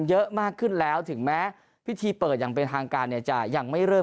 เยอะมากขึ้นแล้วถึงแม้พิธีเปิดไปทางการในจ่ายยังไม่เริ่ม